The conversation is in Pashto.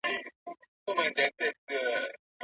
هغه وويل چي مرسته وکړئ.